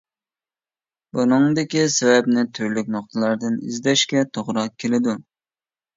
بۇنىڭدىكى سەۋەبنى تۈرلۈك نۇقتىلاردىن ئىزدەشكە توغرا كېلىدۇ.